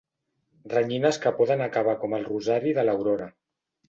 Renyines que poden acabar com el rosari de l'aurora.